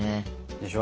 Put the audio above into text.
でしょ？